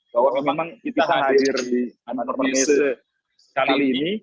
bahwa memang kita hadir di pemanduan melewati kanal ini